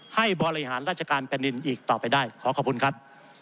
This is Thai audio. ให้บริหารราชการแผ่นดินอีกต่อไปได้ขอขอบคุณครับ